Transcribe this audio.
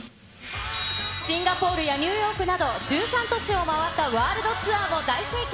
シンガポールやニューヨークなど、１３都市を回ったワールドツアーも大盛況。